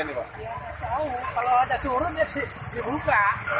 ya saya tahu kalau ada turun ya dibuka